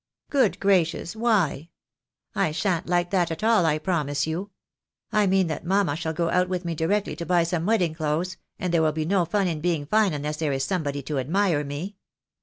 " Good gracious, why ? I shan't like that at all, I promise you. I mean that mamma shall go out with me directly to buy some wedding clothes, and there will be no fun in being fine unless there is somebody to admire me.